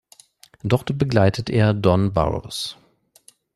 Dort begleitet er Don Burrows.